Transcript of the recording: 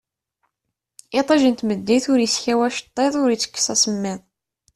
Itij n tmeddit ur iskaw acettiḍ ur itekkes asemmiḍ